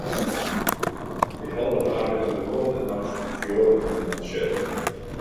By helder waar binne der de kommende nacht meteoaren oan 'e himel te sjen.